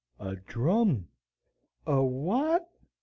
"'A drum!' "'A what?'